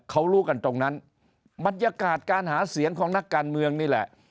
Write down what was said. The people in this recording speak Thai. เขารู้กันตรงนั้นบรรยากาศการหาเสียงของนักการเมืองนี่แหละ